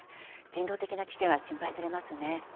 人道的な危機が心配されますね。